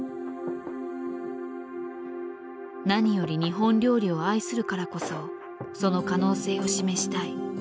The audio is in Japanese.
何より日本料理を愛するからこそその可能性を示したい。